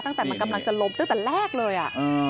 ตั้งแต่มันกำลังจะล้มตั้งแต่แรกเลย